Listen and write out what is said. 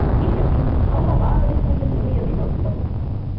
ކިހިނެއްވީ; ހައުލާ ވާހަކަ ދެއްކުމުންވެސް ޒުހުރީއަށް ވީ ބޮޑު އުނދަގުލަކަށް